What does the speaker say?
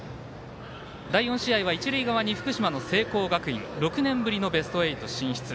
第４試合は一塁側に福島の聖光学院６年ぶりのベスト８進出。